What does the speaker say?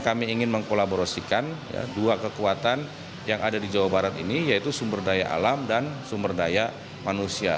kami ingin mengkolaborasikan dua kekuatan yang ada di jawa barat ini yaitu sumber daya alam dan sumber daya manusia